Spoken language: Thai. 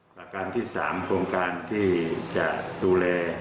ประการที่๓โครงการที่จะดูแล